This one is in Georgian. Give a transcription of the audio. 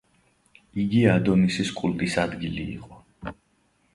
იგი ადონისის კულტის ადგილი იყო.